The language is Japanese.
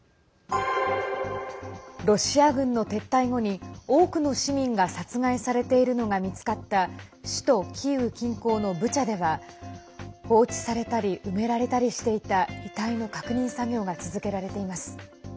ロシア軍の撤退後に多くの市民が殺害されているのが見つかった首都キーウ近郊のブチャでは放置されたり埋められたりしていた遺体の確認作業が続けられています。